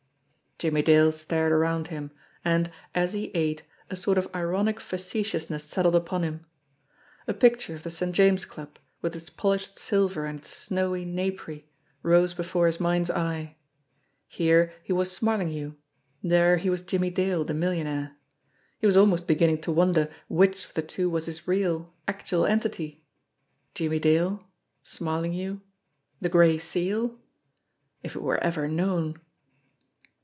Jimmie Dale stared around him, and, as he ate, a sort of ironic facetiousness settled upon him. A picture of the St. James Club, with its polished silver and its snowy napery, 170 JIMMIE DALE AND THE PHANTOM CLUE rose before his mind's eye. Here he was Smarlinghue ; there he was Jimmie Dale, the millionaire. He was almost begin ning to wonder which of the two was his real, actual entity. Jimmie Dale; Smarlinghue the Gray Seal! If it were ever known